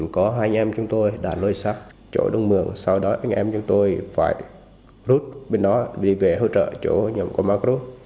có hai anh em chúng tôi đã lôi sắt chỗ đông mường sau đó anh em chúng tôi phải rút bên đó đi về hỗ trợ chỗ nhậm của macros